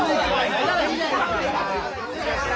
行ったらいいじゃないですか！